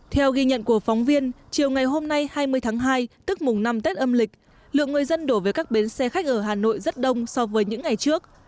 theo ghi nhận của phóng viên chiều ngày hôm nay hai mươi tháng hai tức mùng năm tết âm lịch lượng người dân đổ về các bến xe khách ở hà nội rất đông so với những ngày trước